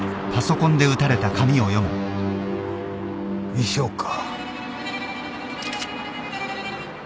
遺書か。